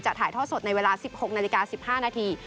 ถ่ายท่อสดในเวลา๑๖นาฬิกา๑๕นาที